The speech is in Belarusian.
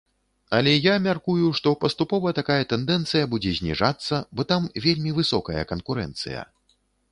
Але, я мяркую, што паступова такая тэндэнцыя будзе зніжацца, бо там вельмі высокая канкурэнцыя.